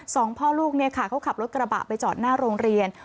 สองพ่อลูกเขาขับรถกระบะไปจอดหน้าโรงเรียน